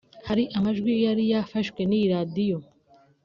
Hari amajwi yari yafashwe n’iyi Radiyo